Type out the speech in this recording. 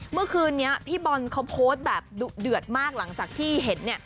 เมื่อคืนนี้พี่บอลเขาโพสต์แบบดุเดือดมากหลังจากที่เห็นเนี่ย